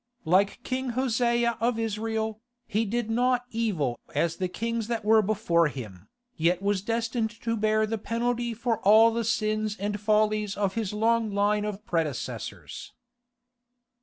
Like King Hosea of Israel, "he did not evil as the kings that were before him," yet was destined to bear the penalty for all the sins and follies of his long line of predecessors.